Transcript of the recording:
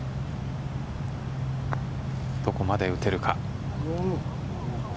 どこまで打てるか。